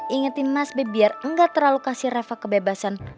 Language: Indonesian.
ingetin mas b biar gak terlalu kasih reva kebebasan